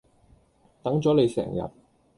等咗你成日